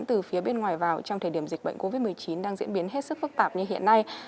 từ phía bên ngoài vào trong thời điểm dịch bệnh covid một mươi chín đang diễn biến hết sức phức tạp như hiện nay